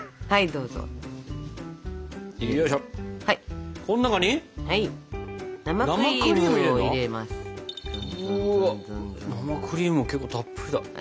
うわ生クリームが結構たっぷりだ。